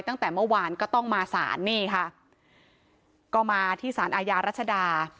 ตั้งแต่เมื่อวานก็ต้องมาสารนี่ค่ะก็มาที่สารอาญารัชดา